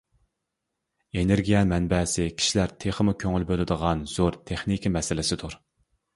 ئېنېرگىيە مەنبەسى كىشىلەر تېخىمۇ كۆڭۈل بۆلىدىغان زور تېخنىكا مەسىلىسىدۇر.